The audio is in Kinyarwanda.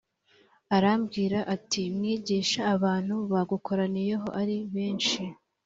aramubwira ati Mwigisha abantu bagukoraniyeho ari benshi